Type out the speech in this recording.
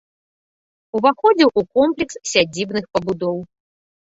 Уваходзіў у комплекс сядзібных пабудоў.